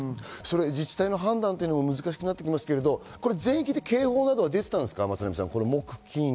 自治体の判断も難しくなってきますけれど、全域で警報は出ていたんですか？